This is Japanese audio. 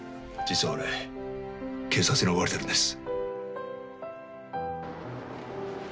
実は俺警察に追われているんです。